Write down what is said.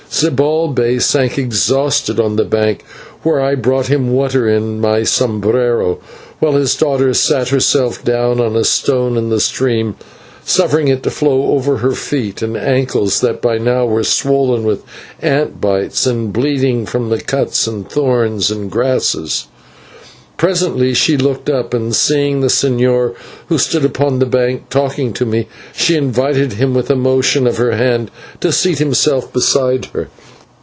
Zibalbay sank exhausted upon the bank, where I brought him water in my sombrero, while his daughter sat herself down on a stone in the stream, suffering it to flow over her feet and ankles, that by now were swollen with ant bites and bleeding from the cuts of thorns and grasses. Presently she looked up, and, seeing the señor, who stood upon a bank talking to me, she invited him with a motion of her hand to seat himself beside her.